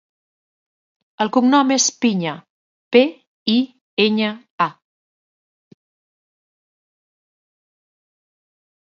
El cognom és Piña: pe, i, enya, a.